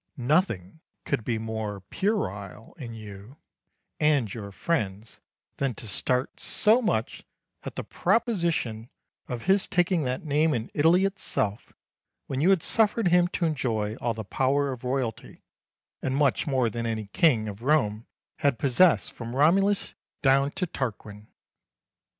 Nothing could be more puerile in you and your friends than to start so much at the proposition of his taking that name in Italy itself, when you had suffered him to enjoy all the power of royalty, and much more than any King of Rome had possessed from Romulus down to Tarquin.